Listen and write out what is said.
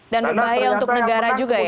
dan berbahaya untuk negara juga ya